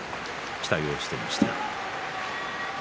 期待をしていました。